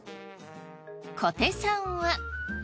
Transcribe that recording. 小手さんは。